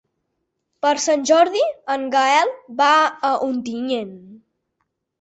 Per Sant Jordi en Gaël va a Ontinyent.